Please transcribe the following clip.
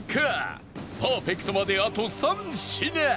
パーフェクトまであと３品